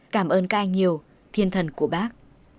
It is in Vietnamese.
cảm ơn các anh nhiều thiên thần của bác